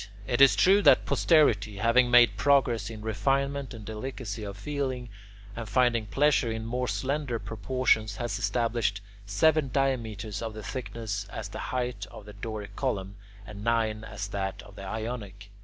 It is true that posterity, having made progress in refinement and delicacy of feeling, and finding pleasure in more slender proportions, has established seven diameters of the thickness as the height of the Doric column, and nine as that of the Ionic.